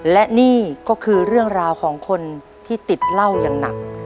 และนี่ก็คือเรื่องราวของคนที่ติดเหล้าอย่างหนัก